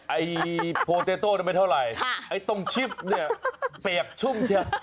ไอ้โพเตโต้ไม่เท่าไหร่ไอ้ตรงชิปเนี่ยเปียกชุ่มเชียว